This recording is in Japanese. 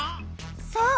そう！